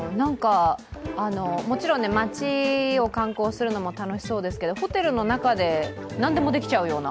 もちろん街を観光するのも楽しそうですけど、ホテルの中で何でもできちゃうような。